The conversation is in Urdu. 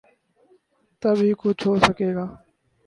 تب ہی کچھ ہو سکے گا۔